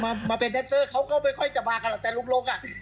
เขาก็ไม่ค่อยจะมากันแต่ลุงอ่ะ